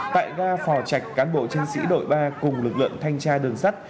tại ga phò chạch cán bộ chiến sĩ đội ba cùng lực lượng thanh tra đường sắt